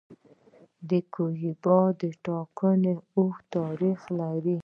کولمبیا د ټاکنو اوږد تاریخ لري.